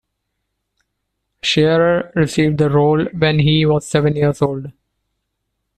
Shearer received the role when he was seven years old.